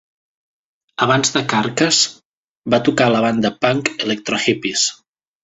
Abans de Carcass, va tocar a la banda punk Electro Hippies.